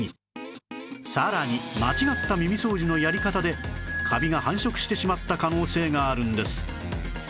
さらに間違った耳掃除のやり方でカビが繁殖してしまった可能性があるんです